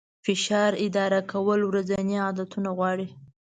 فشار اداره کول ورځني عادتونه غواړي.